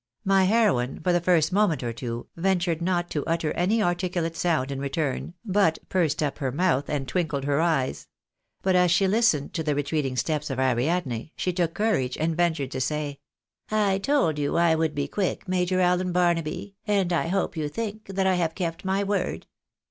My heroine, for the first moment or two, ventured not to utter any articulate sound in return, but pursed up her mouth, and twinkled her eyes. But as she listened to the retreating steps of Ariadne, she took courage and ventured to say —" I told you I would be quick. Major Allen Barnaby, and I hope you think that I have kept my word